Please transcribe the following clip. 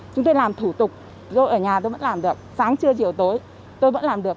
chúng tôi làm thủ tục rồi ở nhà tôi vẫn làm được sáng trưa chiều tối tôi vẫn làm được